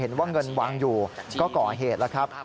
เห็นว่าเงินวางอยู่ก็ก่อเหตุแล้วครับ